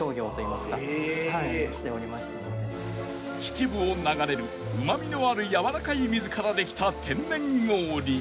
［秩父を流れるうま味のあるやわらかい水からできた天然氷］